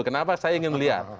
kenapa saya ingin melihat